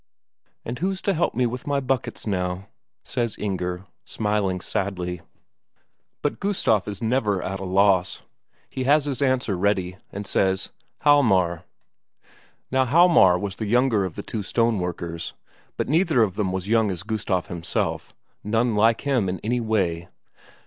"And who's to help me with my buckets now?" says Inger, smiling sadly. But Gustaf is never at a loss, he has his answer ready, and says "Hjalmar." Now Hjalmar was the younger of the two stoneworkers, but neither of them was young as Gustaf himself, none like him in any way.